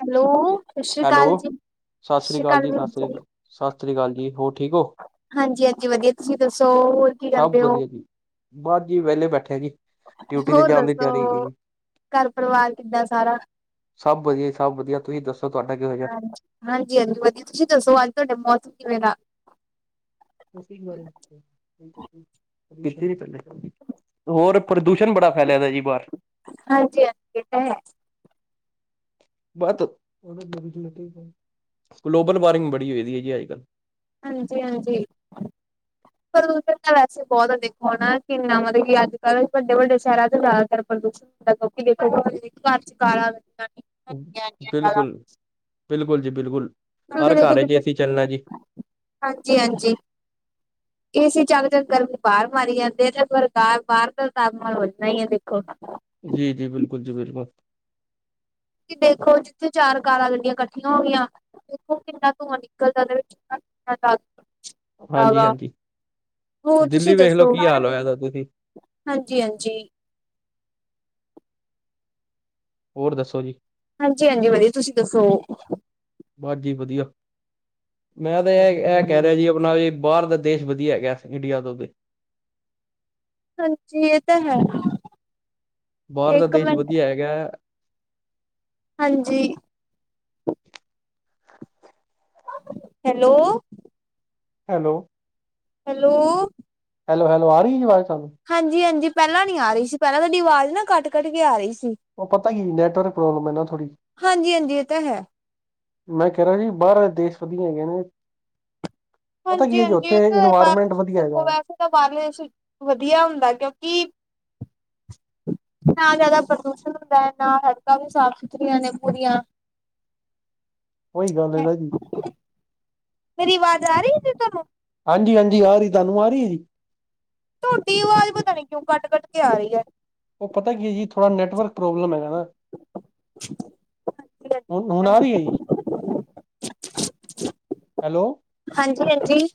Hello, ਸਤਿ ਸ਼੍ਰੀ hello ਅਕਾਲ ਜੀ। ਸਤਿ ਸਤਿ ਸ਼੍ਰੀ ਅਕਾਲ ਜੀ, ਸਤਿ ਸ਼੍ਰੀ ਅਕਾਲ। ਸਤਿ ਸ਼੍ਰੀ ਕਾਲ ਜੀ, ਹੋਰ ਠੀਕ ਹੋ। ਹਾਂਜੀ-ਹਾਂਜੀ ਵਧੀਆ, ਤੁਸੀਂ ਦੱਸੋ, ਹੋਰ ਕੀ ਸਭ ਕਰਦੇ ਹੋ ਵਧੀਆ ਜੀ ਬਸ ਜੀ, ਵਿਹਲੇ ਬੈਠੇ ਆ ਜੀ। ਡਿਊਟੀ ਤੇ ਹੋਰ! ਜਾਣ ਦੀ ਦੱਸੋ, ਤਿਆਰੀ ਹੈਗੀ ਜੀ। ਘਰ ਪਰਿਵਾਰ ਕਿੱਦਾਂ ਸਾਰਾ। ਸਭ ਵਧੀਆ-ਸਭ ਵਧੀਆ, ਤੁਸੀਂ ਦੱਸੋ। ਤੁਹਾਡਾ ਕਿਹੋ ਜਿਹਾ ਹਾਂਜੀ-ਹਾਂਜੀ, ਹਾਂਜੀ ਵਧੀਆ, ਤੁਸੀਂ ਦੱਸੋ ਅੱਜ ਤੁਹਾਡਾ ਮੌਸਮ ਕਿਵੇਂ ਦਾ। ਉਸੀ ਬਾਰੇ ਦਸੋ। ਹੋਰ, ਪ੍ਰਦੂਸ਼ਣ ਬੜਾ ਫੈਲਿਆ ਦਾ ਜੀ ਬਾਹਰ ਹਾਂਜੀ-ਹਾਂਜੀ, ਇਹ ਤਾਂ ਹੈ। ਬੋਤ, ਗਲੋਬਲ ਵਾਰਮਿੰਗ ਬੜੀ ਹੋਈ ਦੀ ਹੈ। ਅੱਜ ਕੱਲ੍ਹ ਹਾਂਜੀ-ਹਾਂਜੀ। ਪ੍ਰਦੂਸ਼ਣ ਤਾਂ ਵੈਸੇ ਬਹੁਤ ਹੈ ਦੇਖੋ ਨਾ, ਕਿੰਨਾ ਵਾਦਗਿਆ ਅੱਜ ਕੱਲ੍ਹ ਵੱਡੇ-ਵੱਡੇ ਸ਼ਹਿਰਾਂ 'ਚ ਜ਼ਿਆਦਾਤਰ ਪ੍ਰਦੂਸ਼ਣ [unintelligible] ਦੇਖੋ ਘਰ ਚ ਕਾਲਾ। [unintelligible] ਬਿਲਕੁਲ-ਬਿਲਕੁਲ ਜੀ ਬਿਲਕੁਲ। ਹਰ ਘਰ ਚ ਅਸੀਂ ਚੱਲਣਾ ਜੀ [unintelligible] ਹਾਂਜੀ-ਹਾਂਜੀ। [unintelligible] ਏਸੀ ਚਕ- ਚੱਕ ਗਰਮੀ ਬਾਹਰ ਮਾਰੀ ਜਾਂਦੀ ਏ, ਤੇ ਪਰਕਾਰ ਬਾਹਰ ਦਾ ਤਾਪਮਾਨ ਵਧਣਾ ਹੀ ਹੈ ਦੇਖੋ ਜੀ-ਜੀ ਬਿਲਕੁਲ ਜੀ ਬਿਲਕੁਲ। ਕਿ ਦੇਖੋ ਜਿੱਥੇ ਚਾਰ ਕਾਰਾ ਗੱਡੀਆ ਇਕੱਠੀਆ ਹੋ ਗਈਆ ਦੇਖੋ ਕਿੰਨਾ ਧੂੰਆ ਨਿਕਲਦਾ ਉਹਦੇ ਵਿੱਚ [unintelligible] ਕਿਦਾ ਹਾਂਜੀ ਦਾ, ਹਾਂਜੀ ਹੋਰ ਤੁਸੀ ਦਿੱਲੀ ਵੇਖ ਲਓ ਦੱਸੋ। ਕੀ ਹਾਲ ਹੋਇਆ ਦਾ ਤੁਸੀਂ ਹਾਂਜੀ-ਹਾਂਜੀ। ਹੋਰ ਦੱਸੋ ਜੀ। ਹਾਂਜੀ-ਹਾਂਜੀ ਵਧੀਆ, ਤੁਸੀ ਦੱਸੋ। ਬੱਸ ਜੀ ਵਧੀਆ, ਮੈਂ ਤੇ ਇਹ-ਇਹ ਕਹਿ ਰਿਹਾ ਜੀ ਆਪਣਾ ਏ ਬਾਹਰ ਦ ਦੇਸ਼ ਵਧੀਆ ਹੈਗਾ, ਇੰਡੀਆ ਤੋਂ ਵੀ। ਹਾਂਜੀ, ਇਹ ਤਾ ਹੈ। ਬਾਹਰ ਦਾ ਇੱਕ ਦੇਸ਼ ਮਿੰਟ ਵਧੀਆ ਹੈਗਾ ਹਾਂਜੀ। ਹੈਲੋ। ਹੈਲੋ। ਹੈਲੋ। ਹੈਲੋ-ਹੈਲੋ ਆ ਰਹੀ ਜੀ ਆਵਾਜ਼ ਤੁਹਾਨੂੰ। ਹਾਂਜੀ-ਹਾਂਜੀ ਪਹਿਲਾਂ ਨੀ ਆ ਰਹੀ ਸੀ। ਪਹਿਲਾਂ ਤੁਹਾਡੀ ਆਵਾਜ਼ ਨਾ ਕੱਟ-ਕੱਟ ਕੇ ਆ ਰਹੀ ਸੀ। ਉਹ ਪਤਾ ਕੀ, ਨੈਟਵਰਕ ਪ੍ਰੋਬਲਮ ਏ ਨਾ ਥੋੜ੍ਹੀ ਹਾਂਜੀ ਹਾਂਜੀ ਇਹ ਤਾਂ ਹੈ ਮੈਂ ਕਹਿ ਰਿਹਾ ਜੀ, ਬਾਹਰਾਂ ਦੇਸ਼ ਵਧੀਆ ਹੈਗੇ ਨੇ। ਪਤਾ ਕੀ ਹਾਂਜੀ ਏ ਜੇ ਹਾਂਜੀ ਇਹ ਉੱਥੇ, ਤਾਂ ਬਾਹਰ ਇਨਵਾਇਰਮੈਂਟ ਵਧੀਆ ਦੇਖੋ ਹੈਗਾ। ਵੈਸੇ ਤਾਂ ਬਾਹਲੇ 'ਚ, ਵਧੀਆ ਹੁੰਦਾ ਕਿਉਂਕਿ [inaudible] ਨਾ ਜ਼ਿਆਦਾ ਪ੍ਰਦੂਸ਼ਣ ਹੁੰਦਾ, ਨਾ ਸੜਕਾਂ ਵੀ ਸਾਫ਼ ਸੁਥਰੀਆਂ ਨੇ ਪੂਰੀਆਂ। ਉਹੀ ਗੱਲ ਐ ਨਾ ਜੀ। ਮੇਰੀ ਆਵਾਜ਼ ਆ ਰਹੀ ਸੀ ਤੁਹਾਨੂੰ। ਹਾਂਜੀ, ਹਾਂਜੀ ਆ ਰਹੀ, ਤੁਹਾਨੂੰ ਆ ਰਹੀ ਹੈ ਜੀ। ਥੋਡੀ ਆਵਾਜ਼ ਪਤਾ ਨੀ ਕਿਉਂ ਕੱਟ, ਕੱਟ ਕੇ ਆ ਰਹੀ ਹੈ। ਉਹ ਪਤਾ ਕੀ ਜੀ, ਥੋੜਾ ਨੈਟਵਰਕ ਪ੍ਰੋਬਲਮ ਹੈਗਾ ਨਾ। ਹੁਣ, ਹੁਣ ਆ ਰਹੀ ਹੈ ਜੀ। ਹੈਲੋ। ਹਾਂਜੀ, ਹਾਂਜੀ।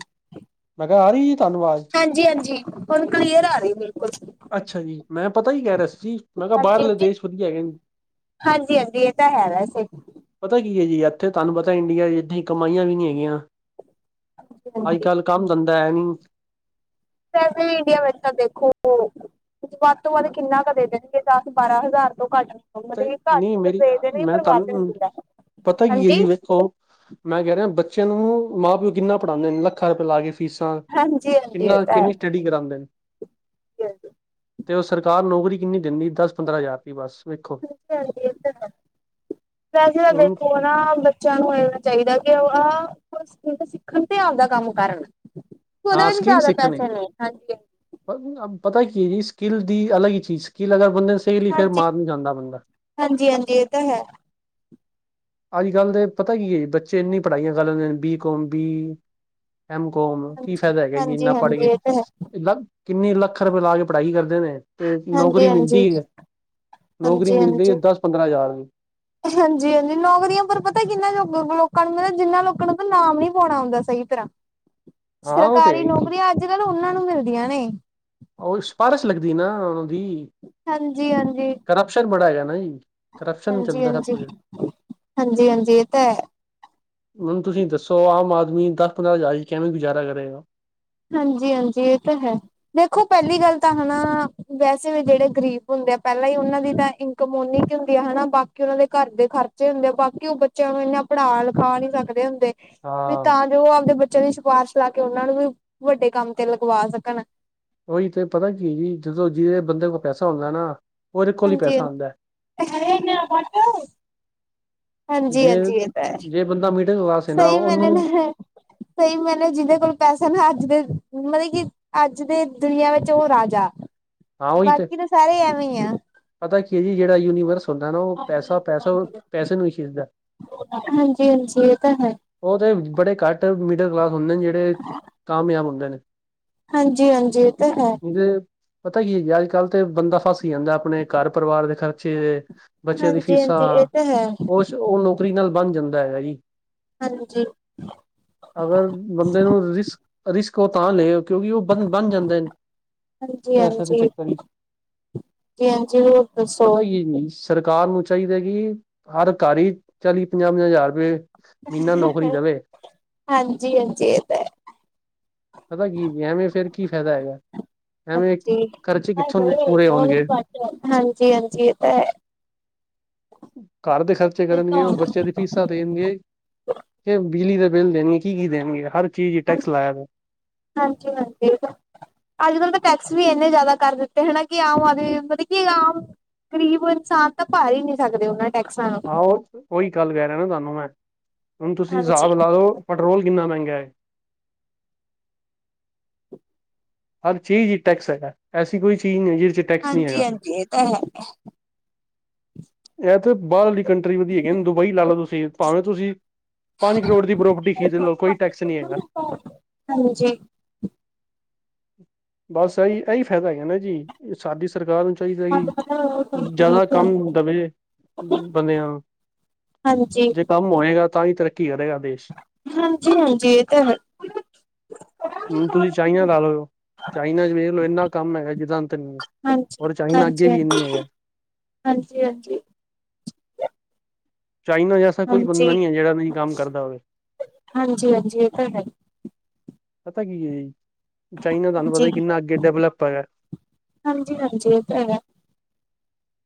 ਮੈਂ ਕਿਹਾ ਆ ਰਹੀ ਜੀ ਤੁਹਾਨੂੰ ਅਵਾਜ਼। ਹਾਂਜੀ, ਹਾਂਜੀ ਹੁਣ ਕਲੀਅਰ ਆ ਰਹੀ ਬਿਲਕੁਲ। ਅੱਛਾ ਜੀ, ਮੈਂ ਪਤਾ ਕੀ ਕਹਿ ਰਿਹਾ ਸੀ, ਮੈਂ ਕਿਹਾ ਹਾਂਜੀ ਬਾਹਰਲੇ ਹਾਂਜੀ ਦੇਸ਼ ਵਧੀਆ ਹੈਗੇ। ਹਾਂਜੀ, ਹਾਂਜੀ ਇਹ ਤਾਂ ਹੈ ਵੈਸੇ। ਪਤਾ ਕੀ ਹੈ ਜੀ, ਇੱਥੇ ਤੁਹਾਨੂੰ ਪਤਾ ਇੰਡੀਆ 'ਚ ਐਨੀ ਕਮਾਈਆਂ ਵੀ ਨਹੀਂ ਹੈਗੀਆਂ। ਅੱਜ ਕੱਲ ਕੰਮ ਦੰਦਾ ਹੈ ਨੀ। ਵੈਸੇ ਵੀ ਇੰਡੀਆ ਵਿੱਚ ਤਾਂ ਦੇਖੋ, ਵੱਧ ਤੋਂ ਵੱਧ ਕਿੰਨਾ ਕੁ ਦੇ ਦੇਨੇ ਕੇ ਦਸ- ਬਾਰਾਂ ਹਜ਼ਾਰ ਤੋਂ ਘੱਟ ਮਤਲਬ ਤੇ, ਕਿ ਨਹੀਂ ਘੱਟ ਮੇਰੀ, ਦੇ ਦੇਣਗੇ ਮੈਂ ਪਰ ਵੱਧ ਨੀ ਤੁਹਾਨੂੰ, ਦਿੰਦਾ ਪਤਾ ਕੀ ਹੈ ਹਾਂਜੀ ਜੀ ਵੇਖੋ। ਮੈਂ ਕਹਿ ਰਿਹਾ ਬੱਚੇ ਨੂੰ, ਮਾਂ-ਪਿਓ ਕਿੰਨਾ ਪੜਾਉਂਦੇ ਨੇ ਲੱਖਾਂ ਰੁਪਏ ਲਾ ਕੇ ਫੀਸਾਂ, ਹਾਂਜੀ ਹਾਂਜੀ ਇਹ ਕਿੰਨਾ ਤਾਂ ਕਿੰਨੀ ਹੈ। ਸਟੱਡੀ ਕਰਾਂਦੇ। ਤੇ ਉਹ ਸਰਕਾਰ ਨੌਕਰੀ ਕਿੰਨੀ ਦੇੰਦੀ, ਦਸ-ਪੰਦਰਾਂ ਹਜ਼ਾਰ ਰੁਪਏ ਬਸ ਵੇਖੋ ਹਾਂਜੀ ਉਹ ਤਾਂ ਹੈ, ਵੈਸੇ ਤਾਂ ਹੁਣ ਦੇਖੋ ਨਾ ਬੱਚਿਆਂ ਨੂੰ ਮਿਲਣਾ ਚਾਹੀਦਾ ਕਿਹ ਅ ਸਕ ਤਾਂ ਸਿੱਖਣ ਤੇ ਆਪਦਾ ਕੰਮ ਕਰਨ। ਉਹਦੇ ਹਾਂ ਵਿੱਚ ਸਕਿੱਲ ਜ਼ਿਆਦਾ ਸਿੱਖਣੇ ਪੈਸੇ ਨੇ, ਹਾਂਜੀ। ਪਤਾ ਕੀ ਹੈ ਜੀ, ਸਕਿੱਲ ਦੀ ਅਲਗ ਹੀ ਚੀਜ਼, ਸਕਿੱਲ ਅਗਰ ਬੰਦੇ ਸਿਖਲੀ ਫਿਰ ਹਾਂਜੀ, ਮਾਰ ਨਹੀਂ ਖਾਂਦਾ ਬੰਦਾ। ਹਾਂਜੀ, ਹਾਂਜੀ ਇਹ ਤਾਂ ਹੈ। ਅੱਜ ਕੱਲ੍ਹ ਦੇ ਪਤਾ ਕੀ ਹੈ ਜੀ, ਬੱਚੇ ਇੰਨੀ ਪੜ੍ਹਾਈਆਂ ਕਰ ਲੈਂਦੇ ਨੇ B com B M com, ਕੀ ਹਾਂਜੀ, ਫਾਇਦਾ ਹੈਗਾ ਜੀ ਇੰਨਾ ਪੜ੍ਹ ਹਾਂਜੀ ਕੇ। ਇਹ ਤਾਂ ਹੈ। ਲਖ, ਕਿੰਨੇ ਲੱਖ ਰੁਪਏ ਲਾ ਕੇ ਪੜ੍ਹਾਈ ਕਰਦੇ ਨੇ ਤੇ ਹਾਂਜੀ, ਨੌਕਰੀ ਹਾਂਜੀ, ਮਿਲਦੀ ਇਵੇਂ, ਨੌਕਰੀ ਮਿਲਦੀ ਏ ਦਸ ਪੰਦਰਾਂ ਹਜ਼ਾਰ ਦੀ। ਹਾਂਜੀ-ਹਾਂਜੀ ਨੌਕਰੀਆਂ ਪਰ ਪਤੈ ਕਿੰਨਾ ਲੋਕ ਬ ਲੋਕਾਂ ਨੂੰ ਮਤਲਬ ਜਿੰਨਾ ਲੋਕਾਂ ਨੂੰ ਤਾਂ ਨਾਮ ਨੀ ਪਾਣਾ ਆਂਦਾ ਸਈ ਤਰ੍ਹਾਂ। [inaudible] ਹਾਂ ਉਹ ਤੇ ਹੈ ਸਰਕਾਰੀ ਹੀ ਜੀ ਨੌਕਰੀਆਂ ਅੱਜ ਕਾੱਲ੍ਹ ਓਨਾਂ ਨੂੰ ਮਿਲਦੀਆਂ ਨੇ। ਓਈ ਸਿਫਾਰਸ਼ ਲੱਗਦੀ ਏ ਨਾ ਓਨਾ ਦੀ। ਹਾਂਜੀ-ਹਾਂਜੀ। ਕਰਪਸ਼ਨ ਬੜਾ ਹੈਗਾ ਨਾ ਜੀ, ਕਰਪਸ਼ਨ ਹਾਂਜੀ, ਚਲਦੈ ਹਰ ਪ ਹਾਂਜੀ, ਹਾਂਜੀ, ਹਾਂਜੀ ਇਹ ਤਾਂ ਹੈ। ਹੁਣ ਤੁਸੀ ਦੱਸੋ ਆਮ ਆਦਮੀ ਦਸ ਪੰਦਰਾਂ ਹਜ਼ਾਰ 'ਚ ਕੈਵੇਂ ਗੁਜ਼ਾਰਾ ਕਰੇਗਾ? ਹਾਂਜੀ-ਹਾਂਜੀ ਏ ਤਾ ਹੈ। ਵੇਖੋ ਪੈਲੀ ਗੱਲ ਤਾਂ ਹੂਨ ਵੈਸੇ ਵੀ ਜੜੇ ਗ਼ਰੀਬ ਹੁੰਦੇ ਆ ਪੈਲਾਂ ਈ ਓਨਾਂ ਦੀ ਤਾਂ ਇੰ ਕਮ ੳਨੀ ਕੀ ਹੁੰਦੀ ਐ ਹੈਨਾ, ਬਾਕੀ ਓਹਨਾਂ ਦੇ ਘਰ ਦੇ ਖਰਚੇ ਹੁੰਦੇ ਆ, ਬਾਕੀ ਓ ਬੱਚੇਆਂ ਨੂੰ ਏਨਾਂ ਪੜ੍ਹਾ ਲਿਖਾ ਨੀ ਸਕਦੇ ਹੁੰਦੇ। ਵੀ ਹਾਂ ਤਾਂ ਜੋ ਓ ਆਪਦੇ ਬੱਚੇਆਂ ਦੀ ਸਿਫਾਰਸ਼ ਲਾ ਕੇ ਓਨਾਂ ਨੂੰ ਵੀ ਵੱਡੇ ਕੰਮ ਤੇ ਲਗਵਾ ਸਕਣ। ਓਈ ਤੇ ਪਤੈ ਕੀ ਈ ਜਦੋਂ ਜਿਵੇਂ ਬੰਦੇ ਕੋਲ ਪੈਸਾ ਹੁੰਦੈ ਨਾ ਉਹਦੇ ਕੋਲ ਹੀ ਹਾਂਜੀ। ਪੈਸਾ ਆਉਂਦਾ ਐ ਹੈ ਈ ਏੱਕ ਨਯਾ ਕਰਕੇ। ਜੇ ਹਾਂਜੀ-ਹਾਂਜੀ ਏ ਤਾਂ ਐ। ਜੇ ਬੰਦਾ ਮਿਡਲ ਕਲਾਸ ਹੈ ਨਾ ਸਈ ਮੈਨੇ ਉਹਨੂੰ [unintelligible] ਸਈ ਮੈਨੇ ਜਿਦੇ ਕੋਲ ਪੈਸੇ ਨਾ ਅੱਜ ਦੇ ਮੇਯ ਕਿ ਅੱਜ ਦੇ ਦੁਨੀਆਂ ਵੇੱਚ ਓ ਰਾਜਾ। ਹਾਂ ਉਹੀ ਤੇ ਬਾਕੀ ਤਾਂ ਸਾਰੇ ਐਵੇਂ ਈ ਐ। ਪਤਾ ਕੀ ਏ ਜੜਾ ਯੂਨੀਵਰਸ- ਬੰਦਾ ਨਾ ਓ ਪੈਸਾ-ਪੈਸਾ ਓ ਪੈਸੇ ਨੂੰ ਈ ਖਿੱਚਦੈ। ਹਾਂਜੀ ਹਾਂਜੀ ਇਹ ਤਾਂ ਹੈ ਓ ਤੇ ਬੜੇ ਘੱਟ ਮਿਡਲ ਕਲਾਸ ਹੁੰਦੇ ਨੇ ਜੜੇ ਕਾਮਯਾਬ ਹੁੰਦੇ ਨੇ। ਹਾਂਜੀ-ਹਾਂਜੀ ਏ ਤਾਂ ਹੈ। ਤੁ, ਪਤੈ ਕੀ ਏ ਅੱਜ ਕਾੱਲ ਤੇ ਬੰਦਾ ਫਸ ਈ ਜਾਂਦੈ ਆਪਣੇ ਘਾਰ ਪਰਿਵਾਰ ਦੇ ਖਰਚੇ ਬੱਚੇਆਂ ਦੀ ਹਾਂਜੀ ਫੀਸਾਂ ਹਾਂਜੀ ਇਹ ਤਾਂ ਹੈ ਓਸ ਓ ਨੌਕਰੀ ਨਾਲ ਬੰਨ ਜਾਂਦਾ ਹੈਗਾ ਜੀ ਹਾਂਜੀ। ਅਗਰ ਬੰਦੇ ਨੂੰ ਰਿਸਕ, ਰਿਸਕ ਓ ਤਾਂ ਲਏ ਕਿਉਕਿ ਓ ਬਨ, ਬੰਨ ਜਾਂਦੇ ਨ ਹਾਂਜੀ ਪੈਸਾ ਦੇ ਹਾਂਜੀ ਚੱਕਰ ਇੱਚ। ਜੀ ਹਾਂਜੀ ਹੋਰ ਦੱਸੋ ਪਤੈ ਕੀ ਏ [unintelligible] ਸਰਕਾਰ ਨੂੰ ਚਾਈਦੈ ਕਿ ਹਰ ਘਰ ਈ ਚਾਲੀ, ਪੰਜਾ-ਪੰਜਾ ਹਜ਼ਾਰ ਰਪਏ ਮੀਨਾ ਨੌਕਰੀ ਦੇਵੇ। ਹਾਂਜੀ ਹਾਂਜੀ ਇਹ ਤਾਂ ਹੈ ਪਤੈ ਕੀ ਹੈਗੀ ਏ ਐਵੇਂ ਫੇਰ ਕੀ ਫੈਦਾ ਹੈਗੈ। ਹਾਂਜੀ, [unintelligible] ਪੂਰੇ ਹੋਣਗੇ ਹਾਂਜੀ-ਹਾਂਜੀ ਇਹ ਤਾਂ ਹੈ। ਘਾਰ ਦੇ ਖਰਚੇ ਕਰਨਗੇ ਓ ਬੱਚੇਆਂ ਦੀ ਫੀਸ ਤਾ ਦੇਨਗੇ ਕੇ ਬਿਜਲੀ ਦਾ ਬਿੱਲ ਦੇਣਗੇ ਕੀ-ਕੀ ਦੇਣਗੇ। ਹਰ ਚੀਜ ਤੇ ਟੈਕਸ ਲਾਇਆ ਦੈ। ਹਾਂਜੀ-ਹਾਂਜੀ, ਏ ਤਾਂ ਅੱਜ ਕੱਲ੍ਹ ਤਾਂ ਟੈਕਸ ਵੀ ਏਨੇ ਜ਼ਾਦਾ ਕਰ ਦਿੱਤੇ ਹੈਨਾ ਕਿ ਆਮ ਆਦਮੀ ਮਤਬ ਕੀ ਆਮ ਗ਼ਰੀਬ ਇਨਸਾਨ ਤਾਂ ਭਰ ਹੀ ਨੀ ਸਕਦੇ ਓਨਾਂ ਹਾ ਓ ਓਈ ਗੱਲ ਕੈ ਰਏ ਨਾ ਤੁਆਨੂੰ ਮੈ। ਹੁਣ ਤੁਸੀ ਹਾਂਜੀ ਹਿਸਾਬ ਲਾ ਲੋ ਪਟਰੋਲ ਕਿੰਨਾਂ ਮੈਂਗਾ ਐ। ਹਰ ਚੀਜ਼ ਇੱਚ ਟੈਕਸ ਹੈਗੈ। ਐਸੀ ਕੋਈ ਚੀਜ ਨੀ ਹੈਗੀ ਜਿ ਹਾਂਜੀ-ਹਾਂਜੀ ਏ ਤਾਂ ਹੈਗੈ। ਐ ਤੇ ਬਾਹਰ ਆਲੀ ਕੰਟਰੀ ਵਧੀਆ ਹੈਗੀਆਨ। ਦੁਬਈ ਲਾ ਲੋ ਤੁਸੀ, ਭਾਵੇ ਤੁਸੀ ਪਾਂਜ ਕਰੋੜ ਦੀ ਪ੍ਰੋਪਰਟੀ ਖਰੀਦ ਲੋ ਕੋਈ ਟੈਕਸ ਨੀ ਹੈਗਾ। ਹਾਂਜੀ। ਬਸ ਐਈ, ਐਈ ਫੈਦਾ ਹੈਗਾ ਨਾ ਜੀ। ਸਾਡੀ ਸਰਕਾਰ ਨੂੰ ਚਾਈਦੈ ਕਿ ਜਿਆਦਾ ਹਾਂਜੀ ਕੰਮ ਦਵੇ, ਬਨੇਆ ਜੇ ਕੰਮ ਹੋਏਗਾ, ਤਾਂ ਹੀ ਤਰੱਕੀ ਕਰੇਗਾ ਦੇਸ਼- ਹਾਂਜੀ- ਹਾਂਜੀ ਇਹ ਤਾਂ ਹੈ- ਹਾਂਜੀ ਹੁਣ ਤੁਸੀ ਹਾਂਜੀ ਚਾਈਨਾ ਲਾ ਲਓ, ਚਾਈਨਾ 'ਚ ਵੇਖ ਲ ਇਨਾ ਕਮ ਹੈਗਾ ਜਿਦਾਂ ਅੰਤ ਨਹੀ- ਹਾਂਜੀ- ਹਾਂਜੀ- ਹਾਂਜੀ -ਹਾਂਜੀ- ਚਾਈਨਾ 'ਚ ਐਸਾ ਕੋਈ ਬੰਦਾ ਨਹੀ ਹੈ। ਜਿਹੜਾ ਨਹੀ ਕੰਮ ਕਰਦਾ ਹੋਵੇ- ਹਾਂਜੀ ਹਾਂਜੀ ਇਹ ਤਾਂ ਹੈ ਪਤਾ ਕੀ ਹੈ ਜੀ, ਚਾਈਨਾ ਤੁਹਾਨੂੰ ਹਾਂਜੀ ਪਤਾ ਕਿਨਾ ਅਗੇ ਡਿਵਲਪ ਹੈਗਾ। ਹਾਂਜੀ- ਹਾਂਜੀ ਇਹ ਤਾਂ ਹੈ।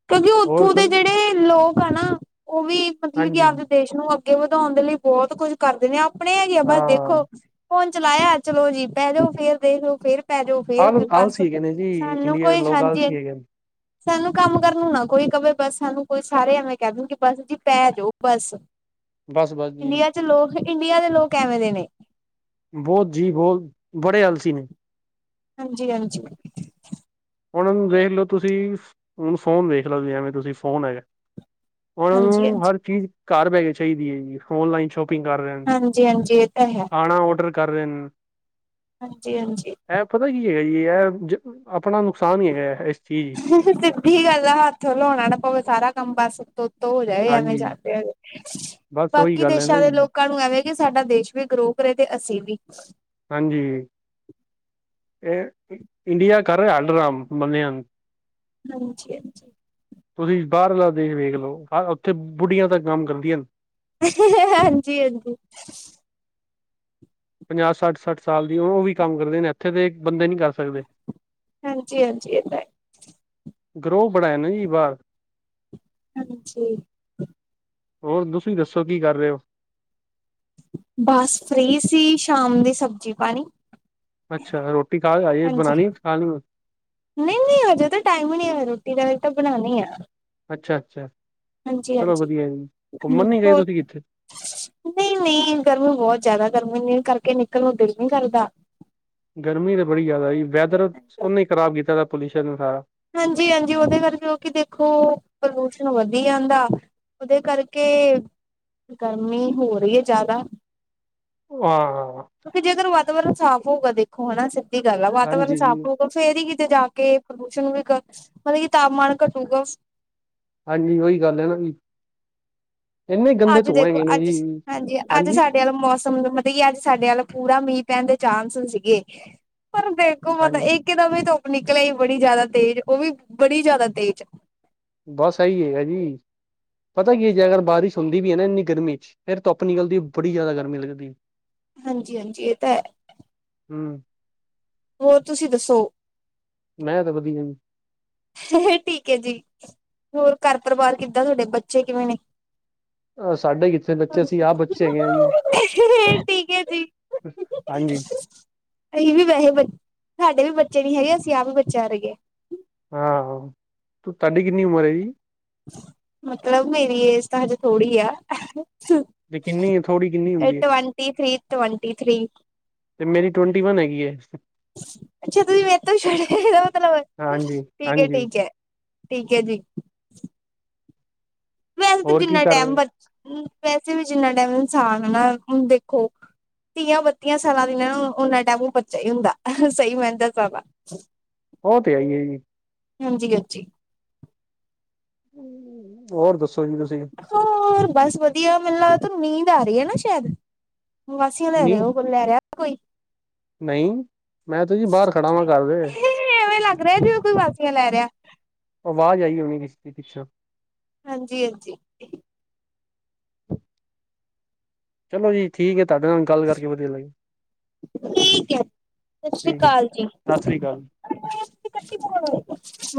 ਕਿਉਕਿ ਹੋਰ ਉਥੋਂ ਦੇ ਸੁਣੋ ਜਿਹੜੇ ਲੋਕ ਆ ਨਾ, ਉਹ ਵੀ ਮਤਲਬ ਕਿ ਹਾਂਜੀ ਆਪਦੇ ਦੇਸ਼ ਨੂੰ ਅੱਗੇ ਵਧਾਉਣ ਦੇ ਲਈ- ਬਹੁਤ ਕੁੱਝ ਕਰਦੇ ਨੇ, ਆਪਣੇ ਹੈਗੇ ਆ ਬਸ ਹਾਂ ਦੇਖੋ- ਫੋਨ ਚਲਾਇਆ, ਚਲੋ ਜੀ ਬਹਿ ਜਾਓ ਫੇਰ ਦੇਖ ਲੋ ਫੇਰ- ਪੈ ਜਾਓ ਫੇਰ ਆਲ ਬਸ, ਆਲਸੀ ਹੈਗੇ ਨੇ ਜੀ ਸਾਨੂੰ ਇੰਡੀਆ ਦੇ ਕੋਈ ਲੋਕ ਹਾਂਜੀ, ਆਲਸੀ ਹੈਗੇ ਨੇ ਸਾਨੂੰ ਕੰਮ- ਕਰਨ ਨੂੰ ਨਾ ਕੋਈ ਕਵੇ ਬਸ ਸਾਨੂੰ ਕੋਈ ਸਾਰੇ ਐਵੇ ਕਹਿ ਦੂ ਕਿ ਬਸ ਜੀ ਪੈ ਜਾਓ ਬਸ- ਬਸ -ਬਸ ਜੀ- ਇੰਡੀਆ 'ਚ ਲੋਕ, ਇੰਡੀਆ ਦੇ ਲੋਕ ਐਵੇ ਦੇ ਨੇ- ਬਹੁਤ ਜੀ ਬਹੁਤ, ਬੜੇ ਆਲਸੀ ਨੇ- ਹਾਂਜੀ- ਹਾਂਜੀ- ਹੁਣ ਦੇਖ ਲਓ ਤੁਸੀ, ਹੁਣ ਫੋਨ ਦੇਖ ਲਓ ਵੀ ਐਵੇ ਤੁਸੀਂ ਫੋਨ ਹੈਗਾ। ਹੁਣ ਹਾਂਜੀ ਹਾਂਜੀ। ਹਰ ਚੀਜ਼ ਘਰ ਬੈਠ ਕੇ ਚਾਹੀਦੀ ਹੈ ਜੀ, ਔਨਲਾਈਨ ਸ਼ੋਪ- ਸ਼ੋਪਿੰਗ ਕਰ ਰਹੇ, ਹਾਂਜੀ ਹਾਂਜੀ ਇਹ ਤਾਂ ਹੈ ਖਾਣਾ ਔਡਰ ਕਰ ਰਹੇ ਨੇ- ਹਾਂਜੀ- ਹਾਂਜੀ- ਇਹ ਪਤਾ ਕੀ ਹੈਗਾ ਜੀ, ਇਹ ਆਪਣਾ ਨੁਕਸਾਨ ਹੀ ਹੈਗਾ ਇਸ ਚੀਜ ਹੀ- ਸਿੱਧੀ ਗੱਲ ਆ, ਹੱਥ ਹਿਲਾਉਣਾ ਨਾ ਪਵੇ ਸਾਰਾ ਕਮ ਬਸ ਉਤੋ- ਉਤੋ ਹੋ ਜਾਵੇ ਐਵੇ ਹਾਂਜੀ ਜਾਦੇ ਹਜ- ਬਸ ਉਹੀ ਬਾਕੀ ਗੱਲ ਹੈ ਨਾ ਦੇਸਾਂ ਦੇ ਜੀ ਲੋਕਾਂ ਨੂੰ ਐਵੇਂ ਕਿ ਸਾਡਾ ਦੇਸ਼ ਵੀ ਗਰੋ ਕਰੇ ਤੇ ਅਸੀਂ ਵੀ। ਹਾਂਜੀ। ਇਹ ਇੰਡੀਆ ਘਰ ਰਿਹਾ ਹੈ ਡਰਾਮ, ਬੰਦਿਆ ਨੂੰ। ਹਾਂਜੀ-ਹਾਂਜੀ। ਤੁਸੀਂ ਬਾਹਰਲਾ ਦੇਸ਼ ਵੇਖ ਲਓ, ਉੱਥੇ ਬੁੱਢੀਆਂ ਤ ਕੰਮ ਕਰਦੀਆਂ ਨੇ। ਹਾਂਜੀ-ਹਾਂਜੀ। ਪੰਜਾਹ ਸੱਠ-ਸੱਠ ਸਾਲ ਦੀ ਉਹ ਵੀ ਕੰਮ ਕਰਦੇ ਨੇ ਇੱਥੇ ਤੇ, ਬੰਦੇ ਨੀ ਕਰ ਸਕਦੇ। ਹਾਂਜੀ-ਹਾਂਜੀ, ਇਹ ਤਾਂ ਹੈ। ਗਰੋਹ ਬੜਾ ਹੈ ਨਾ ਜੀ ਬਾਹਰ। ਹਾਂਜੀ। ਹੋਰ, ਤੁਸੀਂ ਦੱਸੋ ਕੀ ਕਰ ਰਹੇ ਹੋ? ਬਸ ਫ੍ਰੀ ਸੀ। ਸ਼ਾਮ ਦੀ ਸਬਜ਼ੀ- ਪਾਣੀ ਅੱਛਾ ਰੋਟੀ ਖਾਹ ਕੇ ਆਈਏ, ਬਣਾਨੀ, ਖਾਹਣੀ। ਨਹੀਂ, ਨਹੀਂ ਹਜੇ ਤਾਂ ਟਾਈਮ ਹੀ ਨਹੀਂ ਹੋਇ ਰੋਟੀ ਦਾ, ਹਜੇ ਤਾਂ ਬਣਾਉਣੀ ਆ। ਅੱਛਾ- ਅੱਛਾ, ਚਲੋ ਹਾਂਜੀ-ਹਾਂਜੀ। ਵਧੀਆ ਜੀ। ਘੁੰਮਣ ਨਹੀਂ ਗਏ ਤੁਸੀਂ ਕਿੱਥੇ? ਨਹੀਂ- ਨਹੀਂ ਗਰਮੀ ਬਹੁਤ ਜ਼ਿਆਦਾ। ਗਰਮੀ ਕਰਕੇ ਨਿਕਲ ਨੂੰ ਦਿਲ ਨੀ ਕਰਦਾ। ਗਰਮੀ ਤਾਂ ਬੜੀ ਜ਼ਿਆਦਾ ਜੀ। ਵੈਦਰ ਓਨੇ ਹੀ ਖ਼ਰਾਬ ਕੀਤਾ ਤ' ਪੋਲਿਊਸ਼ਨ ਨੇ ਸਾਰਾ। ਹਾਂਜੀ- ਹਾਂਜੀ ਉਹਦੇ ਕਰਕੇ ਉਹ ਕਿ ਦੇਖੋ, ਪਲੂਸ਼ਣ ਵਧੀ ਜਾਂਦਾ। ਉਹਦੇ ਕਰਕੇ, ਗਰਮੀ ਹੋ ਰਹੀ ਹੈ ਜ਼ਿਆਦਾ। ਉਹ-ਹਾਂ ਕਿਉਂਕਿ ਜੇਕਰ ਵਾਤਾਵਰਨ ਸਾਫ਼ ਹੋਊਗਾ ਦੇਖੋ ਹਨਾ ਸਿੱਧੀ ਗੱਲ ਆ ਵਾਤਾਵਰਨ ਹਾਂਜੀ, ਸਾਫ਼ ਹੋਗਾ। ਫੇਰ ਹੀ ਕਿਤੇ ਜਾ ਕੇ, ਪ੍ਰਦੂਸ਼ਣ ਵੀ, ਮਤਲਬ ਕੀ ਤਾਪਮਾਨ ਘਟੂਗਾ। ਹਾਂਜੀ। ਉਹੀ ਗੱਲ ਹੈ ਨਾ ਜੀ। ਇੰਨੇ ਗੰਦੇ ਅੱਜ ਧੂੰਏ ਦੇਖੋ ਹੈਗੇ ਨੇ ਅੱਜ ਜੀ, ਅੱਜ ਹਾਂਜੀ। ਸਾਡੇ ਮੌਸਮ ਮਤਲਬ ਕਿ ਅੱਜ ਸਾਡੇ ਵੱਲ ਪੂਰਾ ਮੀਂਹ ਪੈਣ ਦੇ ਚਾਂਸ ਸੀਗੇ। ਪਰ ਹੋ ਮਤਾ ਹਾਂਜੀ ਇੱਕਦਾ ਮ ਧੁੱਪ ਨਿਕਲ ਆਈ ਹੀ ਬੜੀ ਜਿਆਦਾ ਤੇਜ਼, ਉਹ ਵੀ ਬੜੀ ਜਿਆਦਾ ਤੇਜ਼। ਬਸ ਇਹੀ ਹੈਗਾ ਜੀ। ਪਤਾ ਕੀ ਜੇ ਅਗਰ ਬਾਰਿਸ਼ ਹੁੰਦੀ ਵੀ ਹੈ ਨਾ ਇੰਨੀ ਗਰਮੀ 'ਚ ਫੇਰ ਧੁੱਪ ਨਿਕਲਦੀ, ਬੜੀ ਜਿਆਦਾ ਗਰਮੀ ਲੱਗਦੀ। ਹਾਂਜੀ- ਹਾਂਜੀ, ਇਹ ਤਾਂ ਹੈ। ਹਮ। ਹੋਰ ਤੁਸੀਂ ਦੱਸੋ? ਮੈਂ ਤਾਂ ਵਧੀਆ ਜੀ। ਠੀਕ ਹੈ ਜੀ। ਹੋਰ ਘਰ ਪਰਿਵਾਰ ਕਿੱਦਾਂ, ਤੁਹਾਡੇ ਬੱਚੇ ਕਿਵੇਂ ਨੇ? ਅਹ ਸਾਡੇ ਕਿੱਥੇ ਬੱਚੇ, ਅਸੀਂ ਆਪ ਬੱਚੇ ਹੈਗੇ ਆ ਜੀ। ਠੀਕ ਹੈ ਜੀ। ਹਾਂਜੀ। ਅਸੀਂ ਵੀ ਵੈਸੇ ਬ ਸਾਡੇ ਵੀ ਬੱਚੇ ਨੀ ਹੈਗੇ, ਅਸੀਂ ਆਪ ਵੀ ਬੱਚਾ ਵਰਗੇ। ਹਾਂ, ਤੂੰ ਤੁਹਾਡੀ ਕਿੰਨੀ ਉਮਰ ਹੈ ਜੀ? ਮਤਲਬ ਮੇਰੀ ਏਜ ਤਾਂ ਹਜੇ ਥੋੜੀ ਆ। ਤੇ ਕਿੰਨੀ ਥੋੜੀ ਕਿੰਨੀ ਹੁੰਦੀ ਹੈ ਟਵੰਟੀ ਥ੍ਰੀ, ਟਵੰਟੀ ਥ੍ਰੀ। ਤੇ ਮੇਰੀ ਟਵੈਂਟੀ ਵਨ ਹੈਗੀ ਹੈ। ਅਈਅਅੱਛਾ ਤੁਸੀਂ ਮੇਰੇ ਤੋਂ ਵੀ ਛੋਟੇ ਏਦਾ ਮਤਲਬ, ਹਾਂਜੀ, ਠੀਕ ਹੈਅ ਹਾਂਜੀ ਠੀਕ ਹੈ। ਠੀਕ ਹੈ ਜੀ। ਵੈਸੇ ਤਾਂ ਹੋਰ ਕੀ ਜਿੰਨਾ ਕਰ ਟਾਈਮ ਰਹੇ ਬ ਵੈਸੇ ਵੀ ਜਿੰਨਾ ਟਾਈਮ ਇਨਸਾਨ ਹੈ ਨਾ, ਹੁਨ ਦੇਖੋ ਤੀਆਂ- ਬੱਤੀਆਂ ਸਾਲਾਂ ਦੀ ਇਹ ਉਹਨਾ ਟਾਈਮ ੳਹ ਬੱਚਾ ਹੀ ਹੁੰਦਾ। ਸਹੀ ਮਹਿੰਦਾ ਸਾਰਾ [inaudible] ਉਹ ਤੇ ਹੈਈ ਹੈ ਜੀ। ਹਾਂਜੀ- ਹਾਂਜੀ। ਹੋਰ ਦੱਸੋ ਜੀ ਤੁਸੀਂ? ਹੋਰ ਬਸ ਵਧੀਆ, ਮੈਨੂੰ ਲਗਦਾ ਨੀਂਦ ਆ ਰਹੀ ਹੈ ਨਾ ਸ਼ਾਇਦ ਵਾਾਸੀਆਂ ਲੈ ਨੀ ਰਹੇ ਹੋ। ਲੈ ਰਿਹਾ ਕੋਈ। ਨਹੀਂ, ਮੈਂ ਤੁ ਜੀ ਬਾਹਰ ਖੜਾ ਵਾਂ ਘਰ ਦੇ। ਐਵੇਂ ਲੱਗ ਰਿਹਾ ਜਿਵੇਂ ਕੋਈ ਵਾਸੀਆਂ ਲੈ ਰਿਹਾ। ਆਵਾਜ਼ ਆਈ ਹੋਣੀ ਕਿਸੀ ਦੀ ਪਿੱਛੋਂ। ਹਾਂਜੀ- ਹਾਂਜੀ। ਚਲੋ ਜੀ, ਠੀਕ ਹੈ ਤੁਹਾਡੇ ਨਾਲ। ਗੱਲ ਕਰਕੇ ਵਧੀਆ ਲੱਗੇ ਠੀਕ ਹੈ ਠੀਕ ਹੈ, ਸਤਿ ਸ਼੍ਰੀ ਅਕਾਲ। ਬੋ।